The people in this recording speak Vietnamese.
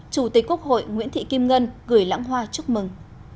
chủ tịch quốc hội nguyễn thị kim ngân gửi lãng hoa chúc mừng